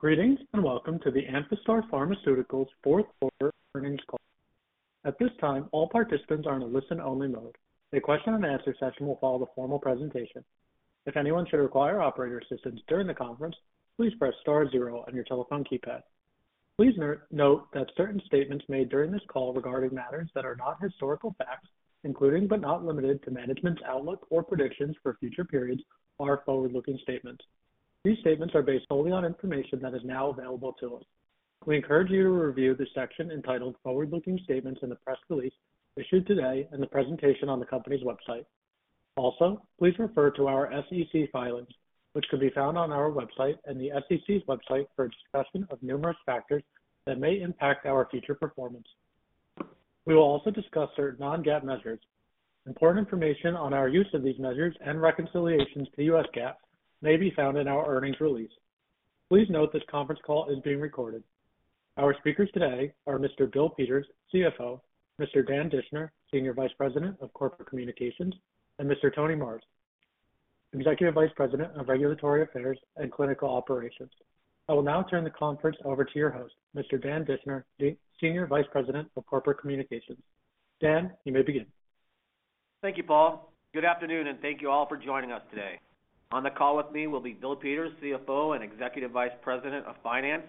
Greetings and welcome to the Amphastar Pharmaceuticals fourth quarter earnings call. At this time, all participants are in a listen-only mode. A question-and-answer session will follow the formal presentation. If anyone should require operator assistance during the conference, please press star zero on your telephone keypad. Please note that certain statements made during this call regarding matters that are not historical facts, including but not limited to management's outlook or predictions for future periods, are forward-looking statements. These statements are based solely on information that is now available to us. We encourage you to review the section entitled "Forward-Looking Statements" in the press release issued today and the presentation on the company's website. Also, please refer to our SEC filings, which can be found on our website and the SEC's website for a discussion of numerous factors that may impact our future performance. We will also discuss certain non-GAAP measures. Important information on our use of these measures and reconciliations to U.S. GAAP may be found in our earnings release. Please note this conference call is being recorded. Our speakers today are Mr. Bill Peters, CFO, Mr. Dan Dischner, Senior Vice President of Corporate Communications, and Mr. Tony Marrs, Executive Vice President of Regulatory Affairs and Clinical Operations. I will now turn the conference over to your host, Mr. Dan Dischner, Senior Vice President of Corporate Communications. Dan, you may begin. Thank you, Paul. Good afternoon, and thank you all for joining us today. On the call with me will be Bill Peters, CFO and Executive Vice President of Finance,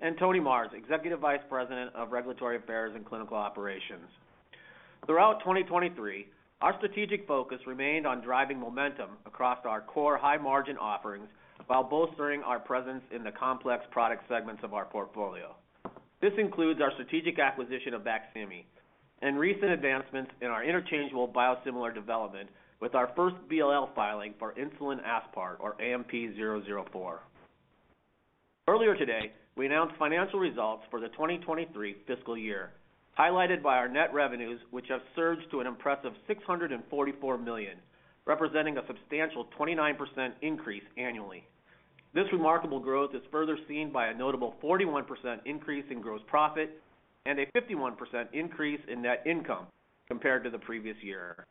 and Tony Marrs, Executive Vice President of Regulatory Affairs and Clinical Operations. Throughout 2023, our strategic focus remained on driving momentum across our core high-margin offerings while bolstering our presence in the complex product segments of our portfolio. This includes our strategic acquisition of BAQSIMI and recent advancements in our interchangeable biosimilar development with our first BLA filing for insulin aspart, or AMP-004. Earlier today, we announced financial results for the 2023 fiscal year, highlighted by our net revenues, which have surged to an impressive $644 million, representing a substantial 29% increase annually. This remarkable growth is further seen by a notable 41% increase in gross profit and a 51% increase in net income compared to the previous year.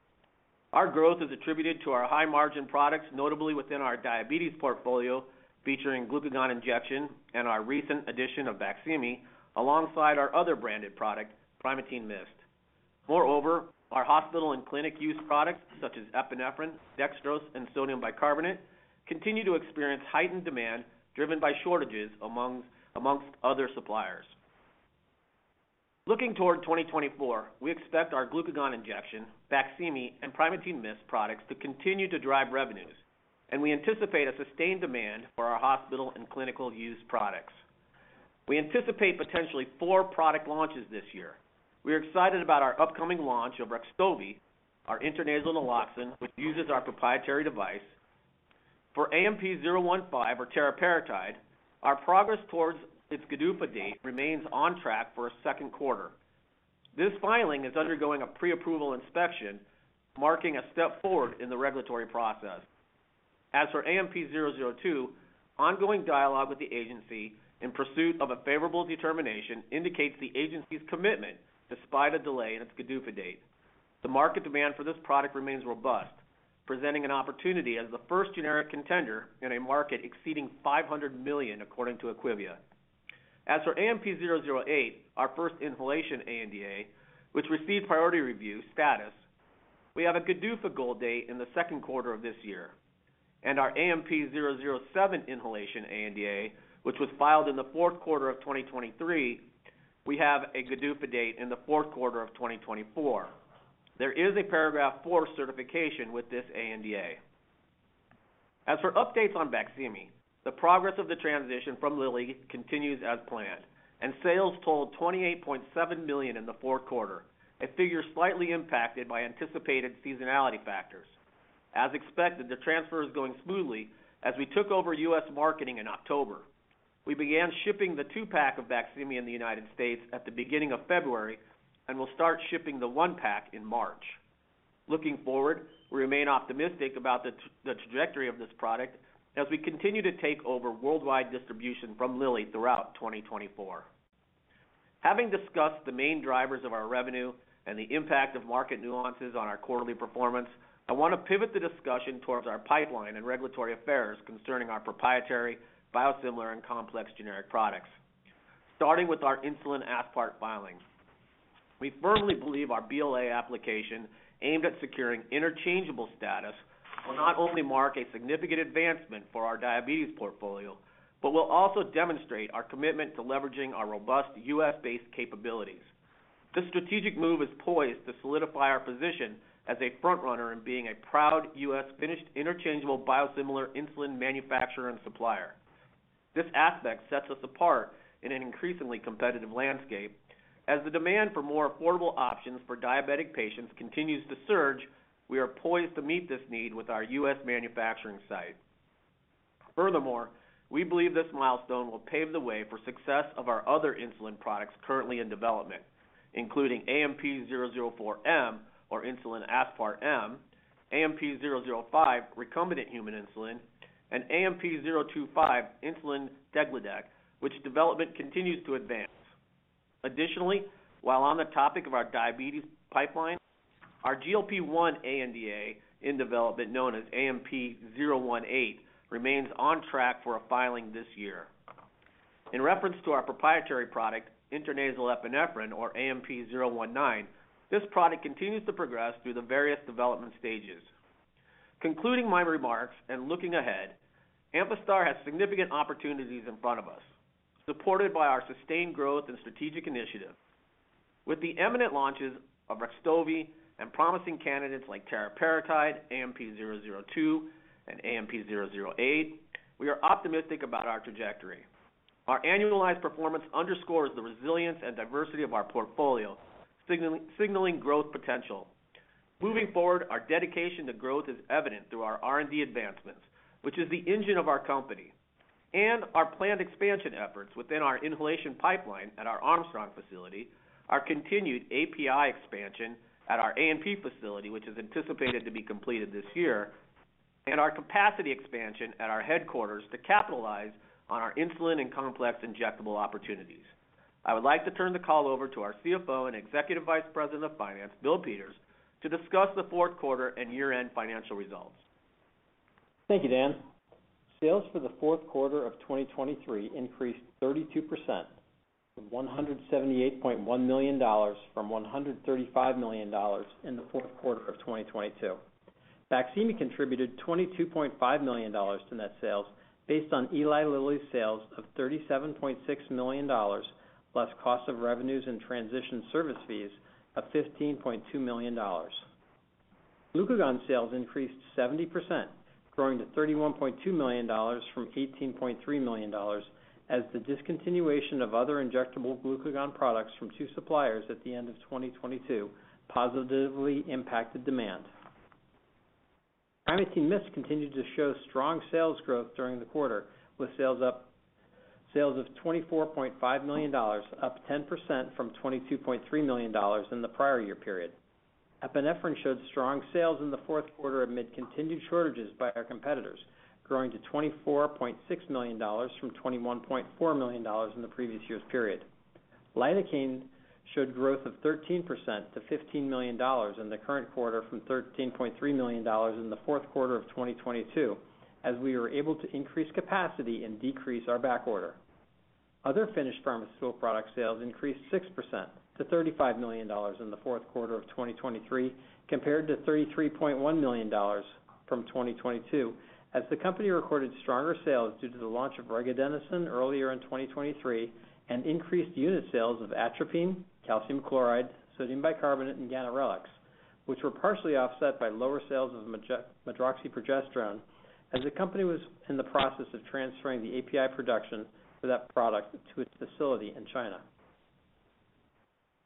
Our growth is attributed to our high-margin products, notably within our diabetes portfolio featuring Glucagon for Injection and our recent addition of BAQSIMI, alongside our other branded product, Primatene Mist. Moreover, our hospital and clinical-use products such as epinephrine, dextrose, and sodium bicarbonate continue to experience heightened demand driven by shortages, among other suppliers. Looking toward 2024, we expect our Glucagon for Injection, BAQSIMI, and Primatene MIST products to continue to drive revenues, and we anticipate a sustained demand for our hospital and clinical-use products. We anticipate potentially four product launches this year. We are excited about our upcoming launch of REXTOVY, our intranasal naloxone, which uses our proprietary device. For AMP-015, or teriparatide, our progress towards its GDUFA date remains on track for a second quarter. This filing is undergoing a pre-approval inspection, marking a step forward in the regulatory process. As for AMP-002, ongoing dialogue with the agency in pursuit of a favorable determination indicates the agency's commitment despite a delay in its GDUFA date. The market demand for this product remains robust, presenting an opportunity as the first generic contender in a market exceeding $500 million, according to IQVIA. As for AMP-008, our first inhalation ANDA, which received priority review status, we have a GDUFA goal date in the second quarter of this year. Our AMP-007 inhalation ANDA, which was filed in the fourth quarter of 2023, we have a GDUFA date in the fourth quarter of 2024. There is a Paragraph IV certification with this ANDA. As for updates on BAQSIMI, the progress of the transition from Lilly continues as planned, and sales totaled $28.7 million in the fourth quarter, a figure slightly impacted by anticipated seasonality factors. As expected, the transfer is going smoothly as we took over U.S. marketing in October. We began shipping the two-pack of BAQSIMI in the United States at the beginning of February and will start shipping the one-pack in March. Looking forward, we remain optimistic about the trajectory of this product as we continue to take over worldwide distribution from Lilly throughout 2024. Having discussed the main drivers of our revenue and the impact of market nuances on our quarterly performance, I want to pivot the discussion towards our pipeline in regulatory affairs concerning our proprietary biosimilar and complex generic products, starting with our insulin aspart filing. We firmly believe our BLA application, aimed at securing interchangeable status, will not only mark a significant advancement for our diabetes portfolio but will also demonstrate our commitment to leveraging our robust U.S.-based capabilities. This strategic move is poised to solidify our position as a frontrunner in being a proud U.S.-finished interchangeable biosimilar insulin manufacturer and supplier. This aspect sets us apart in an increasingly competitive landscape. As the demand for more affordable options for diabetic patients continues to surge, we are poised to meet this need with our U.S. manufacturing site. Furthermore, we believe this milestone will pave the way for success of our other insulin products currently in development, including AMP-004M, or insulin aspart M, AMP-005, recombinant human insulin, and AMP-025, insulin degludec, which development continues to advance. Additionally, while on the topic of our diabetes pipeline, our GLP-1 ANDA in development, known as AMP-018, remains on track for a filing this year. In reference to our proprietary product, intranasal epinephrine, or AMP-019, this product continues to progress through the various development stages. Concluding my remarks and looking ahead, Amphastar has significant opportunities in front of us, supported by our sustained growth and strategic initiative. With the imminent launches of REXTOVY and promising candidates like teriparatide, AMP-002, and AMP-008, we are optimistic about our trajectory. Our annualized performance underscores the resilience and diversity of our portfolio, signaling growth potential. Moving forward, our dedication to growth is evident through our R&D advancements, which is the engine of our company, and our planned expansion efforts within our inhalation pipeline at our Armstrong facility, our continued API expansion at our ANP facility, which is anticipated to be completed this year, and our capacity expansion at our headquarters to capitalize on our insulin and complex injectable opportunities. I would like to turn the call over to our CFO and Executive Vice President of Finance, Bill Peters, to discuss the fourth quarter and year-end financial results. Thank you, Dan. Sales for the fourth quarter of 2023 increased 32%, with $178.1 million from $135 million in the fourth quarter of 2022. BAQSIMI contributed $22.5 million to net sales, based on Eli Lilly's sales of $37.6 million plus cost of revenues and transition service fees of $15.2 million. Glucagon for Injection sales increased 70%, growing to $31.2 million from $18.3 million as the discontinuation of other injectable Glucagon for Injection products from two suppliers at the end of 2022 positively impacted demand. Primatene Mist continued to show strong sales growth during the quarter, with sales of $24.5 million up 10% from $22.3 million in the prior year period. Epinephrine showed strong sales in the fourth quarter amid continued shortages by our competitors, growing to $24.6 million from $21.4 million in the previous year's period. Lidocaine showed growth of 13% to $15 million in the current quarter from $13.3 million in the fourth quarter of 2022, as we were able to increase capacity and decrease our backorder. Other finished pharmaceutical product sales increased 6% to $35 million in the fourth quarter of 2023, compared to $33.1 million from 2022, as the company recorded stronger sales due to the launch of regadenoson earlier in 2023 and increased unit sales of atropine, calcium chloride, sodium bicarbonate, and ganirelix, which were partially offset by lower sales of medroxyprogesterone as the company was in the process of transferring the API production for that product to its facility in China.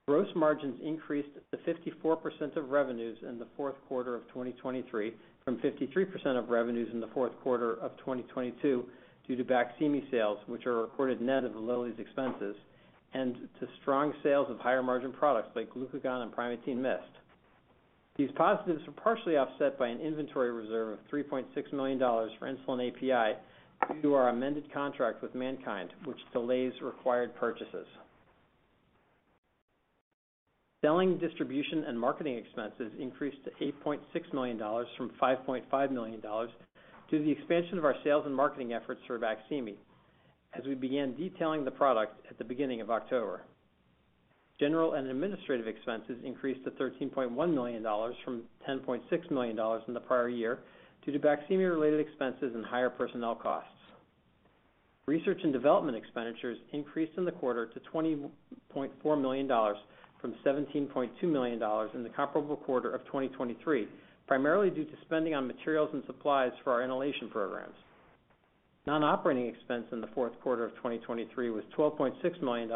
Gross margins increased to 54% of revenues in the fourth quarter of 2023 from 53% of revenues in the fourth quarter of 2022 due to BAQSIMI sales, which are recorded net of Lilly's expenses, and to strong sales of higher-margin products like Glucagon for Injection and Primatene MIST. These positives were partially offset by an inventory reserve of $3.6 million for insulin API due to our amended contract with MannKind, which delays required purchases. Selling, distribution, and marketing expenses increased to $8.6 million from $5.5 million due to the expansion of our sales and marketing efforts for BAQSIMI as we began detailing the product at the beginning of October. General and administrative expenses increased to $13.1 million from $10.6 million in the prior year due to BAQSIMI-related expenses and higher personnel costs. Research and development expenditures increased in the quarter to $20.4 million from $17.2 million in the comparable quarter of 2023, primarily due to spending on materials and supplies for our inhalation programs. Non-operating expense in the fourth quarter of 2023 was $12.6 million,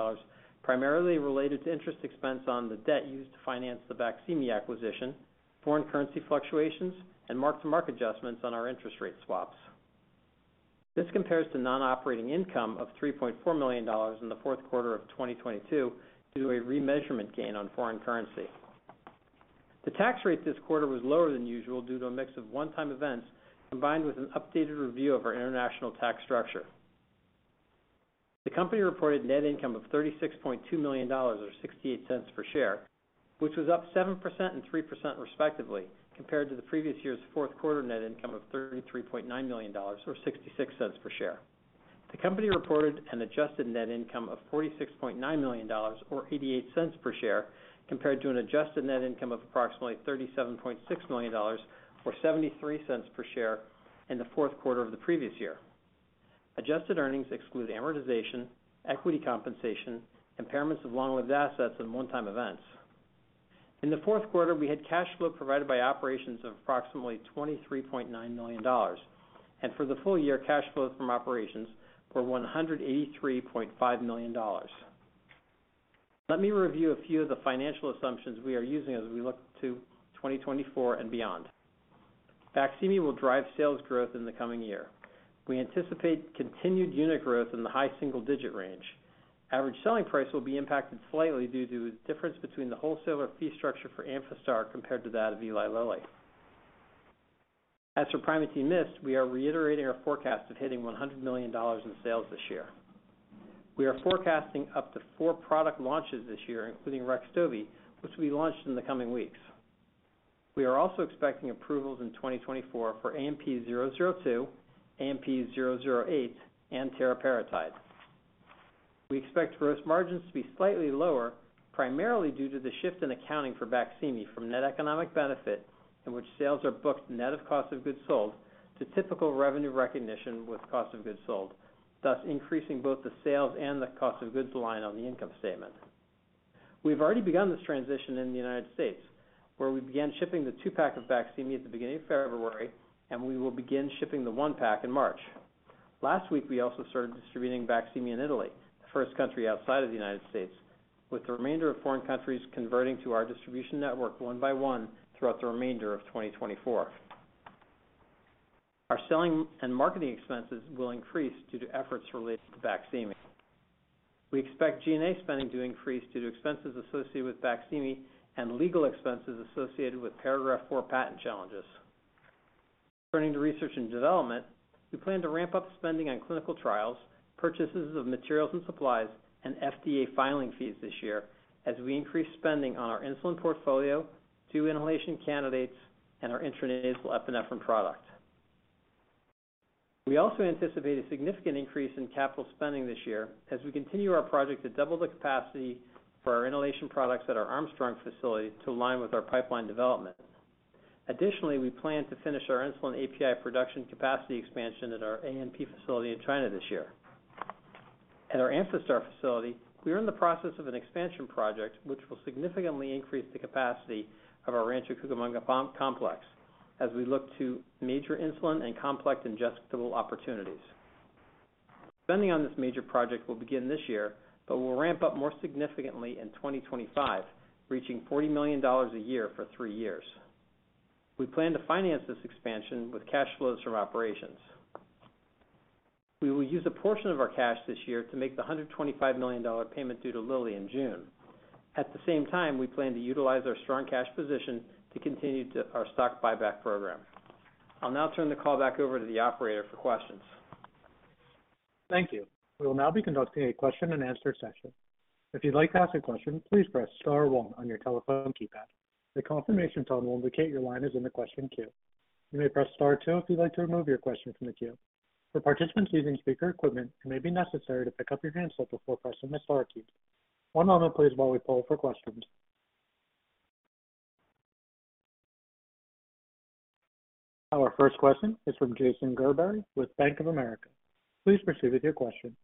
primarily related to interest expense on the debt used to finance the BAQSIMI acquisition, foreign currency fluctuations, and mark-to-market adjustments on our interest rate swaps. This compares to non-operating income of $3.4 million in the fourth quarter of 2022 due to a remeasurement gain on foreign currency. The tax rate this quarter was lower than usual due to a mix of one-time events combined with an updated review of our international tax structure. The company reported net income of $36.2 million, or $0.68 per share, which was up 7% and 3% respectively, compared to the previous year's fourth quarter net income of $33.9 million, or $0.66 per share. The company reported an adjusted net income of $46.9 million, or $0.88 per share, compared to an adjusted net income of approximately $37.6 million, or $0.73 per share, in the fourth quarter of the previous year. Adjusted earnings exclude amortization, equity compensation, impairments of long-lived assets, and one-time events. In the fourth quarter, we had cash flow provided by operations of approximately $23.9 million, and for the full year, cash flows from operations were $183.5 million. Let me review a few of the financial assumptions we are using as we look to 2024 and beyond. BAQSIMI will drive sales growth in the coming year. We anticipate continued unit growth in the high single-digit range. Average selling price will be impacted slightly due to the difference between the wholesaler fee structure for Amphastar compared to that of Eli Lilly. As for Primatene MIST, we are reiterating our forecast of hitting $100 million in sales this year. We are forecasting up to four product launches this year, including REXTOVY, which will be launched in the coming weeks. We are also expecting approvals in 2024 for AMP-002, AMP-008, and teriparatide. We expect gross margins to be slightly lower, primarily due to the shift in accounting for BAQSIMI from net economic benefit, in which sales are booked net of cost of goods sold, to typical revenue recognition with cost of goods sold, thus increasing both the sales and the cost of goods line on the income statement. We have already begun this transition in the U.S., where we began shipping the two-pack of BAQSIMI at the beginning of February, and we will begin shipping the one-pack in March. Last week, we also started distributing BAQSIMI in Italy, the first country outside of the U.S., with the remainder of foreign countries converting to our distribution network one by one throughout the remainder of 2024. Our selling and marketing expenses will increase due to efforts related to BAQSIMI. We expect G&A spending to increase due to expenses associated with BAQSIMI and legal expenses associated with Paragraph IV patent challenges. Turning to research and development, we plan to ramp up spending on clinical trials, purchases of materials and supplies, and FDA filing fees this year, as we increase spending on our insulin portfolio, two inhalation candidates, and our intranasal epinephrine product. We also anticipate a significant increase in capital spending this year as we continue our project to double the capacity for our inhalation products at our Armstrong facility to align with our pipeline development. Additionally, we plan to finish our insulin API production capacity expansion at our ANP facility in China this year. At our Amphastar facility, we are in the process of an expansion project which will significantly increase the capacity of our Rancho Cucamonga complex as we look to major insulin and complex injectable opportunities. Spending on this major project will begin this year but will ramp up more significantly in 2025, reaching $40 million a year for three years. We plan to finance this expansion with cash flows from operations. We will use a portion of our cash this year to make the $125 million payment due to Lilly in June. At the same time, we plan to utilize our strong cash position to continue our stock buyback program. I'll now turn the call back over to the operator for questions. Thank you. We will now be conducting a question-and-answer session. If you'd like to ask a question, please press star one on your telephone keypad. The confirmation tone will indicate your line is in the question queue. You may press star two if you'd like to remove your question from the queue. For participants using speaker equipment, it may be necessary to pick up your handset before pressing the star key. One moment, please, while we pull for questions. Our first question is from Jason Gerberry with Bank of America. Please proceed with your question.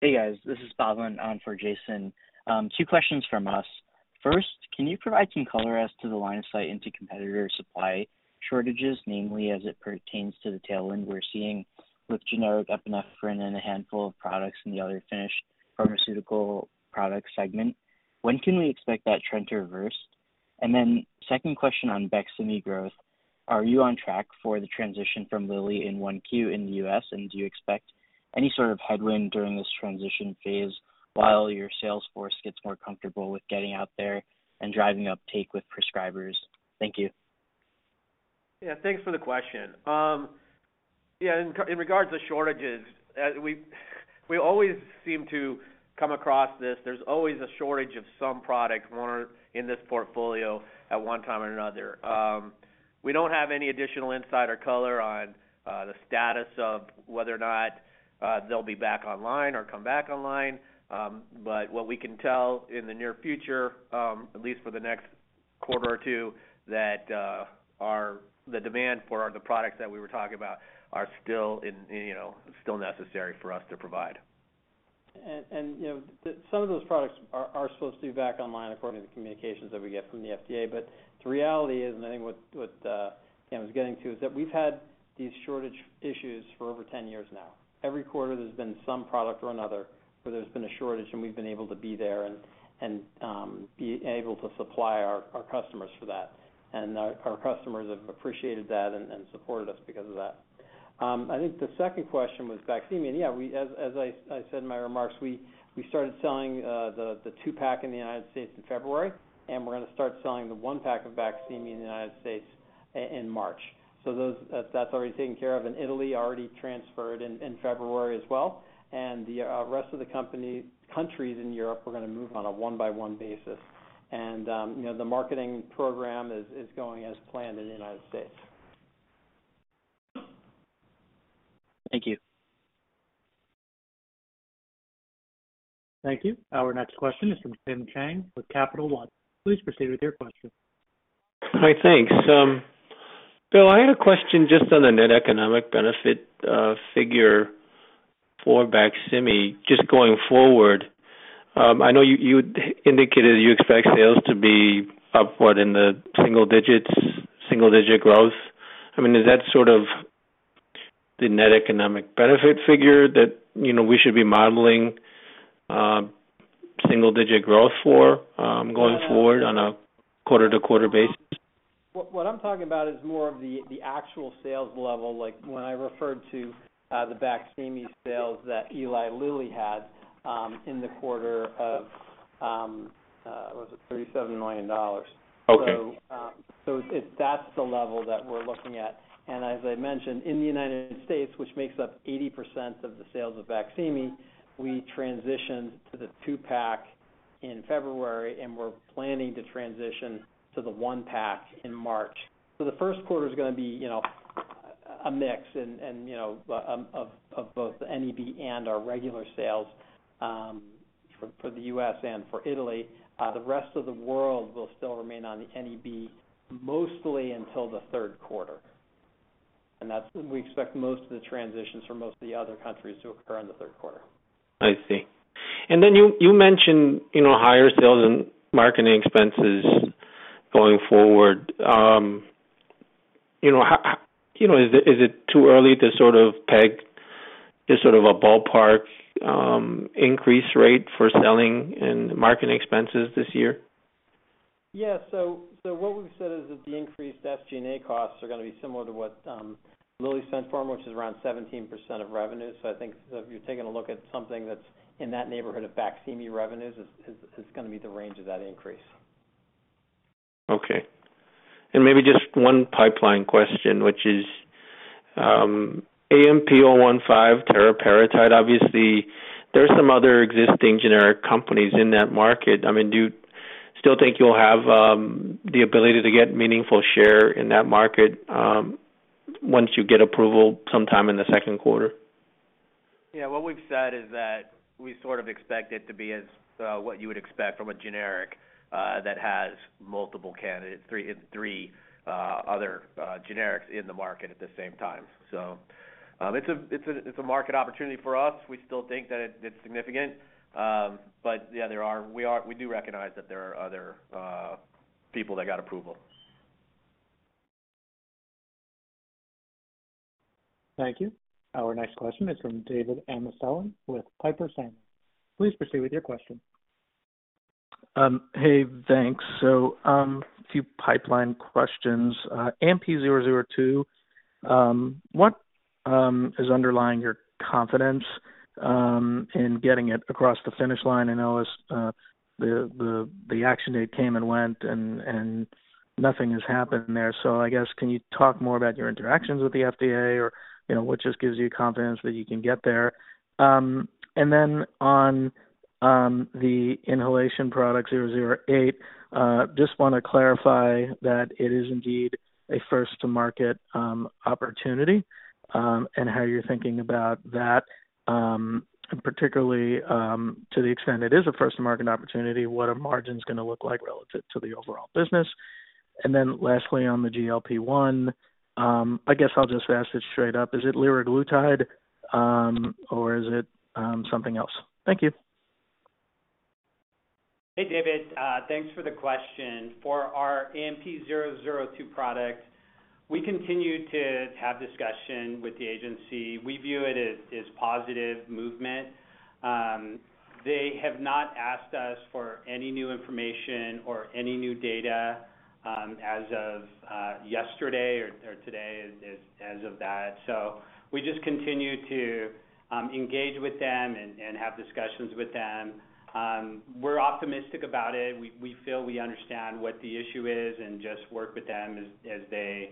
Hey, guys. This is Bob Lin on for Jason. Two questions from us. First, can you provide some color as to the line of sight into competitor supply shortages, namely as it pertains to the tail end we're seeing with generic epinephrine and a handful of products in the other finished pharmaceutical product segment? When can we expect that trend to reverse? And then, second question on BAQSIMI growth: are you on track for the transition from Lilly in Q1 in the U.S., and do you expect any sort of headwind during this transition phase while your sales force gets more comfortable with getting out there and driving uptake with prescribers? Thank you. Yeah, thanks for the question. Yeah, in regards to shortages, we always seem to come across this. There's always a shortage of some product in this portfolio at one time or another. We don't have any additional insight or color on the status of whether or not they'll be back online or come back online, but what we can tell in the near future, at least for the next quarter or two, that the demand for the products that we were talking about are still necessary for us to provide. Some of those products are supposed to be back online according to the communications that we get from the FDA, but the reality is, and I think what Dan was getting to, is that we've had these shortage issues for over 10 years now. Every quarter, there's been some product or another where there's been a shortage, and we've been able to be there and be able to supply our customers for that. And our customers have appreciated that and supported us because of that. I think the second question was BAQSIMI. And yeah, as I said in my remarks, we started selling the two-pack in the United States in February, and we're going to start selling the one-pack of BAQSIMI in the U.S. in March. So that's already taken care of, and Italy already transferred in February as well. The rest of the countries in Europe are going to move on a one-by-one basis. The marketing program is going as planned in the U.S. Thank you. Thank you. Our next question is from Tim Chiang with Capital One. Please proceed with your question. All right. Thanks. Bill, I had a question just on the net economic benefit figure for BAQSIMI just going forward. I know you indicated you expect sales to be upward in the single-digit growth. I mean, is that sort of the net economic benefit figure that we should be modeling single-digit growth for going forward on a quarter-to-quarter basis? What I'm talking about is more of the actual sales level. When I referred to the BAQSIMI sales that Eli Lilly had in the quarter of, was it, $37 million? Okay. So that's the level that we're looking at. And as I mentioned, in the U.S., which makes up 80% of the sales of BAQSIMI, we transitioned to the two-pack in February, and we're planning to transition to the one-pack in March. So the first quarter is going to be a mix of both the NEB and our regular sales for the U.S. and for Italy. The rest of the world will still remain on the NEB mostly until the third quarter. And we expect most of the transitions for most of the other countries to occur in the third quarter. I see. And then you mentioned higher sales and marketing expenses going forward. Is it too early to sort of peg just sort of a ballpark increase rate for selling and marketing expenses this year? Yeah. So what we've said is that the increased SG&A costs are going to be similar to what Lilly sent for them, which is around 17% of revenue. So I think if you're taking a look at something that's in that neighborhood of BAQSIMI revenues, it's going to be the range of that increase. Okay. Maybe just one pipeline question, which is AMP-015, teriparatide. Obviously, there are some other existing generic companies in that market. I mean, do you still think you'll have the ability to get meaningful share in that market once you get approval sometime in the second quarter? Yeah. What we've said is that we sort of expect it to be what you would expect from a generic that has multiple candidates, three other generics in the market at the same time. So it's a market opportunity for us. We still think that it's significant. But yeah, we do recognize that there are other people that got approval. Thank you. Our next question is from David Amsellem with Piper Sandler. Please proceed with your question. Hey, thanks. So a few pipeline questions. AMP-002, what is underlying your confidence in getting it across the finish line? I know the action date came and went, and nothing has happened there. So I guess, can you talk more about your interactions with the FDA or what just gives you confidence that you can get there? And then on the inhalation product AMP-008, just want to clarify that it is indeed a first-to-market opportunity and how you're thinking about that, particularly to the extent it is a first-to-market opportunity, what a margin's going to look like relative to the overall business. And then lastly, on the GLP-1, I guess I'll just ask it straight up. Is it liraglutide, or is it something else? Thank you. Hey, David. Thanks for the question. For our AMP-002 product, we continue to have discussion with the agency. We view it as positive movement. They have not asked us for any new information or any new data as of yesterday or today as of that. So we just continue to engage with them and have discussions with them. We're optimistic about it. We feel we understand what the issue is and just work with them as they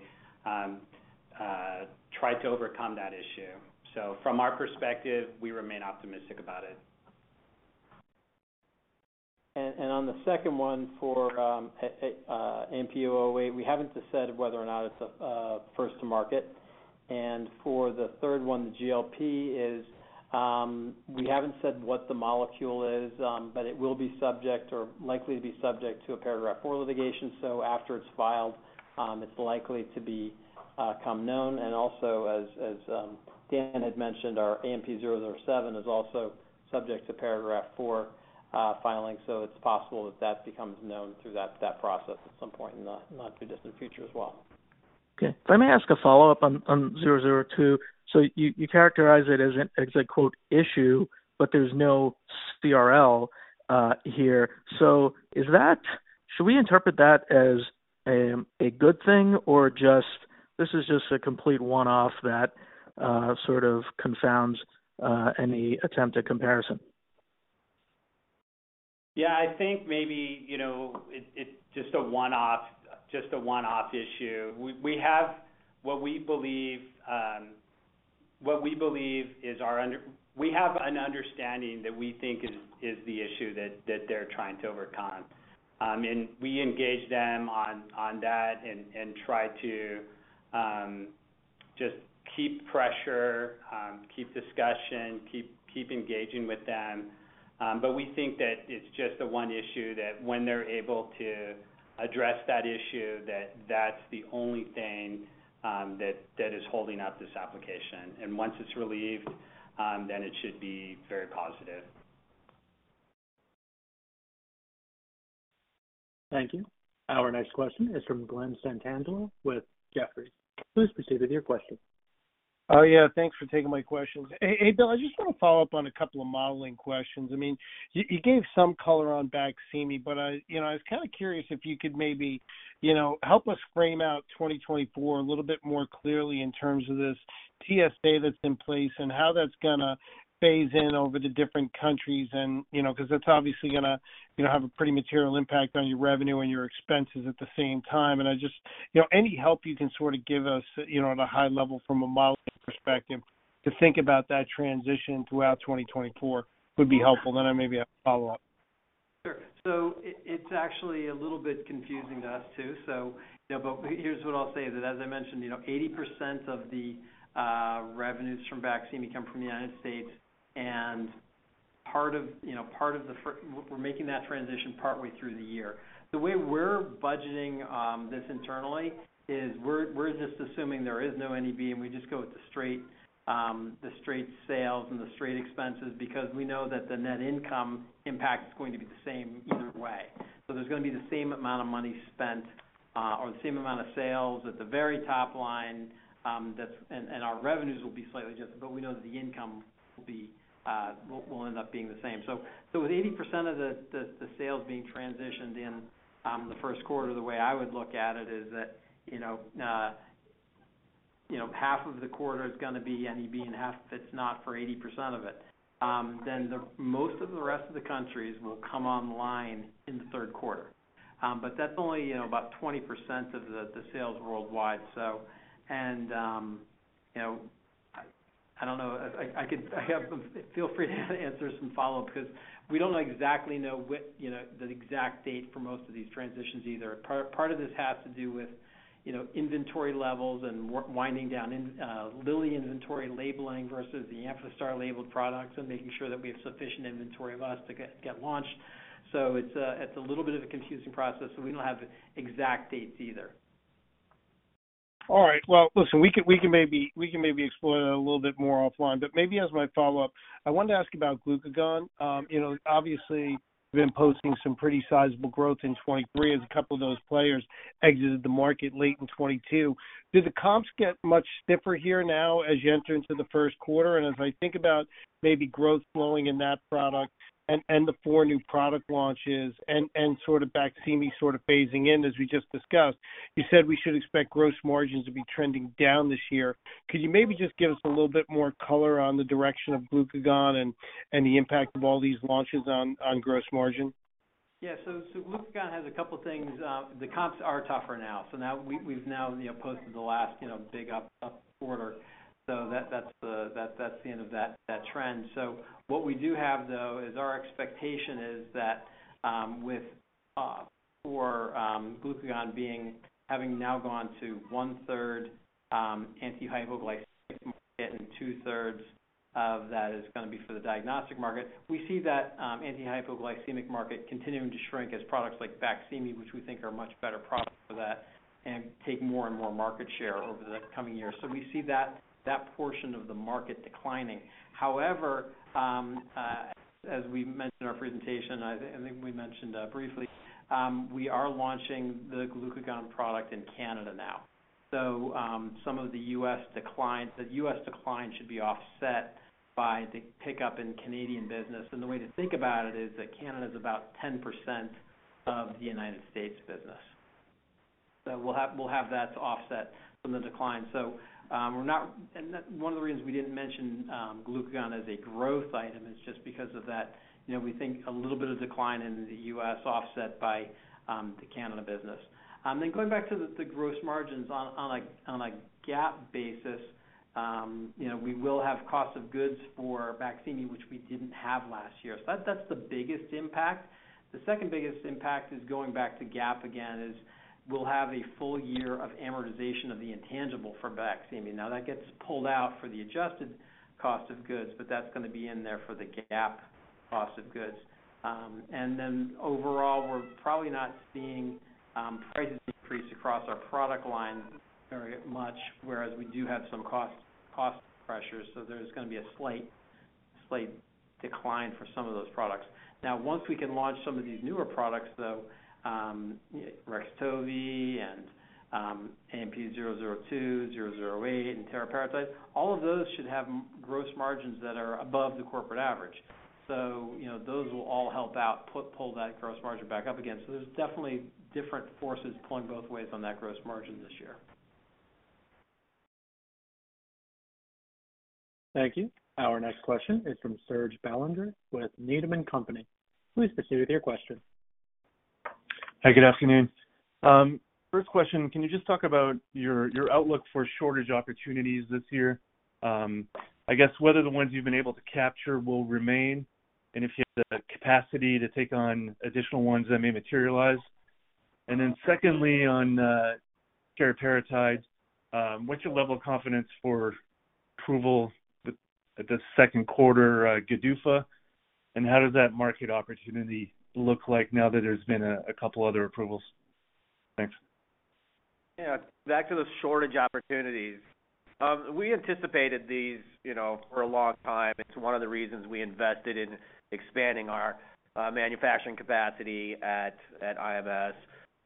try to overcome that issue. So from our perspective, we remain optimistic about it. And on the second one for AMP-008, we haven't said whether or not it's a first-to-market. And for the third one, the GLP is we haven't said what the molecule is, but it will be subject or likely to be subject to a Paragraph IV litigation. So after it's filed, it's likely to become known. Also, as Dan had mentioned, our AMP-007 is also subject to Paragraph IV filing. It's possible that that becomes known through that process at some point in the not too distant future as well. Okay. If I may ask a follow-up on AMP-002. So you characterize it as a "issue," but there's no CRL here. So should we interpret that as a good thing, or this is just a complete one-off that sort of confounds any attempt at comparison? Yeah. I think maybe it's just a one-off issue. We have what we believe is our understanding that we think is the issue that they're trying to overcome. And we engage them on that and try to just keep pressure, keep discussion, keep engaging with them. But we think that it's just the one issue that when they're able to address that issue, that's the only thing that is holding up this application. And once it's relieved, then it should be very positive. Thank you. Our next question is from Glen Santangelo with Jefferies. Please proceed with your question. Oh, yeah. Thanks for taking my questions. Hey, Bill, I just want to follow up on a couple of modeling questions. I mean, you gave some color on BAQSIMI, but I was kind of curious if you could maybe help us frame out 2024 a little bit more clearly in terms of this TSA that's in place and how that's going to phase in over the different countries because that's obviously going to have a pretty material impact on your revenue and your expenses at the same time. Any help you can sort of give us at a high level from a modeling perspective to think about that transition throughout 2024 would be helpful. Then I maybe have a follow-up. Sure. So it's actually a little bit confusing to us too. But here's what I'll say, is that as I mentioned, 80% of the revenues from BAQSIMI come from the U.S., and part of the, we're making that transition partway through the year. The way we're budgeting this internally is we're just assuming there is no NEB, and we just go with the straight sales and the straight expenses because we know that the net income impact is going to be the same either way. So there's going to be the same amount of money spent or the same amount of sales at the very top-line, and our revenues will be slightly different. But we know that the income will end up being the same. So with 80% of the sales being transitioned in the first quarter, the way I would look at it is that half of the quarter is going to be NEB, and half if it's not for 80% of it. Then most of the rest of the countries will come online in the third quarter. But that's only about 20% of the sales worldwide, so. And I don't know. I have feel free to answer some follow-up because we don't exactly know the exact date for most of these transitions either. Part of this has to do with inventory levels and winding down Lilly inventory labeling versus the Amphastar-labeled products and making sure that we have sufficient inventory of us to get launched. So it's a little bit of a confusing process, so we don't have exact dates either. All right. Well, listen, we can maybe explore that a little bit more offline. But maybe as my follow-up, I wanted to ask about Glucagon for Injection. Obviously, been posting some pretty sizable growth in 2023 as a couple of those players exited the market late in 2022. Did the comps get much stiffer here now as you enter into the first quarter? And as I think about maybe growth slowing in that product and the four new product launches and sort of BAQSIMI sort of phasing in, as we just discussed, you said we should expect gross margins to be trending down this year. Could you maybe just give us a little bit more color on the direction of Glucagon for Injection and the impact of all these launches on gross margin? Yeah. So Glucagon for Injection has a couple of things. The comps are tougher now. So we've now posted the last big up quarter. So what we do have, though, is our expectation is that with Glucagon for Injection having now gone to one-third anti-hypoglycemic market and two-thirds of that is going to be for the diagnostic market, we see that anti-hypoglycemic market continuing to shrink as products like BAQSIMI, which we think are a much better product for that, and take more and more market share over the coming years. So we see that portion of the market declining. However, as we mentioned in our presentation, and I think we mentioned briefly, we are launching the Glucagon for Injection product in Canada now. So some of the U.S. decline should be offset by the pickup in Canadian business. The way to think about it is that Canada is about 10% of the United States business. We'll have that to offset from the decline. One of the reasons we didn't mention Glucagon for Injection as a growth item is just because of that. We think a little bit of decline in the U.S. offset by the Canada business. Going back to the gross margins, on a GAAP basis, we will have cost of goods for BAQSIMI, which we didn't have last year. That's the biggest impact. The second biggest impact is going back to GAAP again is we'll have a full year of amortization of the intangible for BAQSIMI. Now, that gets pulled out for the adjusted cost of goods, but that's going to be in there for the GAAP cost of goods. Overall, we're probably not seeing prices increase across our product line very much, whereas we do have some cost pressures. So there's going to be a slight decline for some of those products. Now, once we can launch some of these newer products, though, REXTOVY and AMP-002, AMP-008, and teriparatide, all of those should have gross margins that are above the corporate average. So those will all help out, pull that gross margin back up again. So there's definitely different forces pulling both ways on that gross margin this year. Thank you. Our next question is from Serge Belanger with Needham & Company. Please proceed with your question. Hi. Good afternoon. First question, can you just talk about your outlook for shortage opportunities this year? I guess whether the ones you've been able to capture will remain and if you have the capacity to take on additional ones that may materialize. And then secondly, on teriparatide, what's your level of confidence for approval at the second quarter GDUFA? And how does that market opportunity look like now that there's been a couple other approvals? Thanks. Yeah. Back to the shortage opportunities. We anticipated these for a long time. It's one of the reasons we invested in expanding our manufacturing capacity at IMS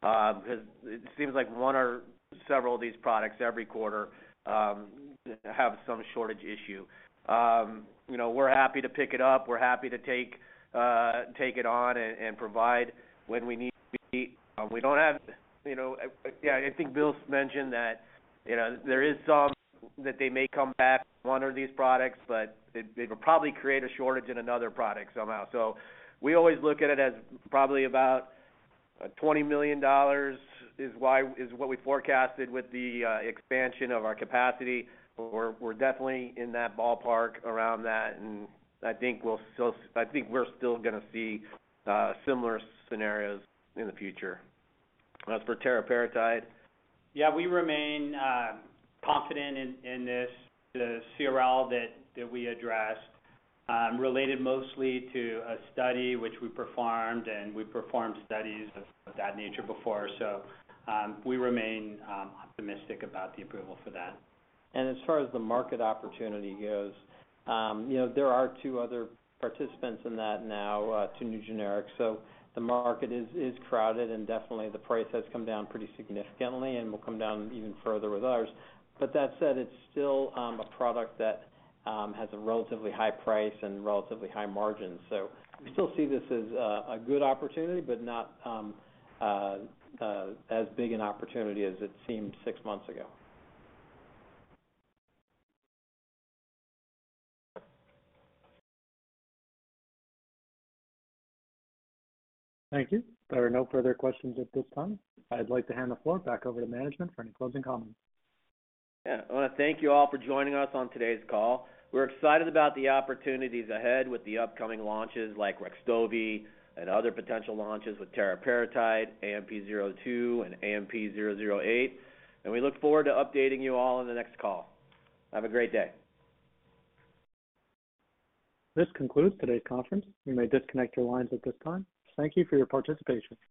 because it seems like one or several of these products every quarter have some shortage issue. We're happy to pick it up. We're happy to take it on and provide when we need to be. We don't have. Yeah. I think Bill mentioned that there is some that they may come back, one of these products, but it will probably create a shortage in another product somehow. So we always look at it as probably about $20 million is what we forecasted with the expansion of our capacity. We're definitely in that ballpark around that. And I think we're still going to see similar scenarios in the future. As for teriparatide. Yeah. We remain confident in this. The CRL that we addressed related mostly to a study, which we performed, and we performed studies of that nature before. So we remain optimistic about the approval for that. As far as the market opportunity goes, there are two other participants in that now, two new generics. The market is crowded, and definitely, the price has come down pretty significantly, and will come down even further with others. That said, it's still a product that has a relatively high price and relatively high margins. We still see this as a good opportunity but not as big an opportunity as it seemed six months ago. Thank you. There are no further questions at this time. I'd like to hand the floor back over to management for any closing comments. Yeah. I want to thank you all for joining us on today's call. We're excited about the opportunities ahead with the upcoming launches like REXTOVY and other potential launches with teriparatide, AMP-002, and AMP-008. And we look forward to updating you all in the next call. Have a great day. This concludes today's conference. You may disconnect your lines at this time. Thank you for your participation.